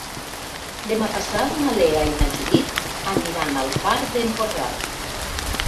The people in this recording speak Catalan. Demà passat na Lea i na Judit aniran al Far d'Empordà.